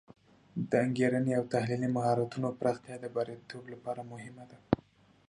د انګیرنې او تحلیلي مهارتونو پراختیا د بریالیتوب لپاره مهمه ده.